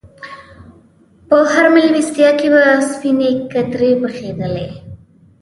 په هره میلمستیا کې به سپینې کترې پخېدلې.